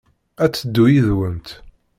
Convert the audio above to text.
Ad teddu yid-went.